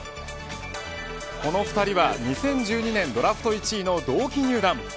この２人は２０１２年ドラフト１位の同期入団。